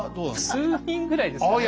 数人ぐらいですかね。